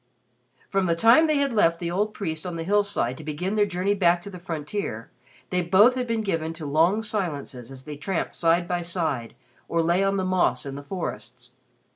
From the time they had left the old priest on the hillside to begin their journey back to the frontier, they both had been given to long silences as they tramped side by side or lay on the moss in the forests.